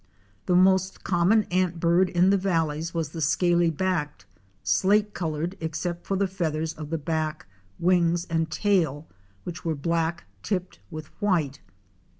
The most common Antbird in the valleys was the Scaly backed, slate colored except for the feathers of the back, wings and tail which were black tipped with white.